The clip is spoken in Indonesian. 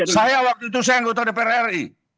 saya waktu itu saya yang gotong di prri